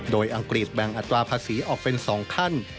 โดยอังกฤษแบ่งอัตราภาษีออกเป็น๒ขั้น